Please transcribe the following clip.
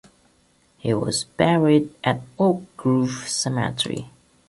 He was buried at Oak Grove Cemetery.